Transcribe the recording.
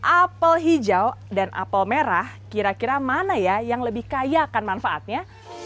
apel hijau dan apel merah kira kira mana ya yang lebih kaya akan manfaatnya